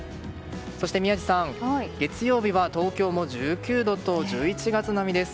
そして宮司さん、月曜日は東京も１９度と１１月並みです。